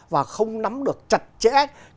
và không nắm được chặt chẽ